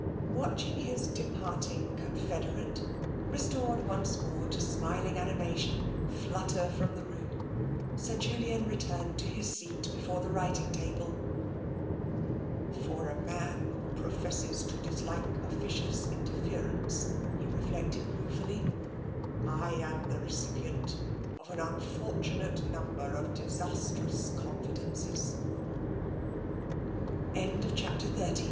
" Watching his departing confederate, restored once more to smiling animation, flutter from the room, Julian returned to his seat before the writing table. " For a man who professes to dislike officious inter ference," he reflected ruefully, " I am the recipient of an unfortunate